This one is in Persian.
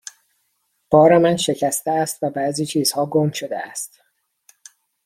بار من شکسته است و بعضی چیزها گم شده است.